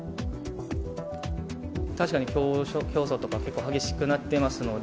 確かに競争とか、結構激しくなっていますので。